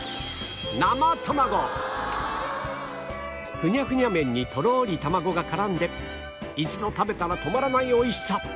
ふにゃふにゃ麺にとろり卵が絡んで一度食べたら止まらない美味しさ